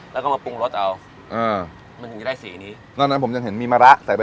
แล้วก็มาปรุงรสเอาอ่ามันถึงจะได้สีนี้นอกนั้นผมยังเห็นมีมะระใส่ใบ